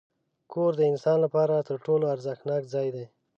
کور د انسان لپاره تر ټولو ارزښتناک ځای دی.